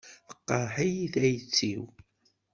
Teqreḥ-iyi tayet-iw.